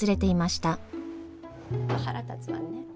腹立つわね。